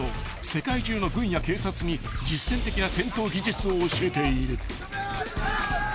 世界中の軍や警察に実戦的な戦闘技術を教えている］